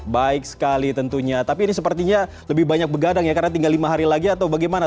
baik sekali tentunya tapi ini sepertinya lebih banyak begadang ya karena tinggal lima hari lagi atau bagaimana